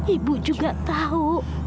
ibu juga tau